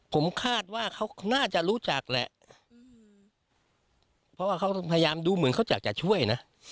ผมคาดว่าเขาน่าจะรู้จักแหละเพราะว่าเขาพยายามดูเหมือนเขาอยากจะช่วยนะ